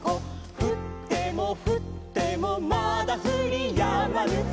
「ふってもふってもまだふりやまぬ」